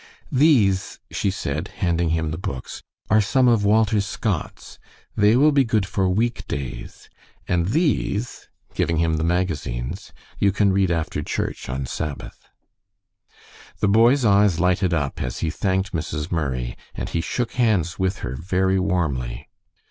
"These," she said, handing him the books, "are some of Walter Scott's. They will be good for week days; and these," giving him the magazines, "you can read after church on Sabbath." The boy's eyes lighted up as he thanked Mrs. Murray, and he shook hands with her very warmly.